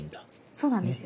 そうなんですよ。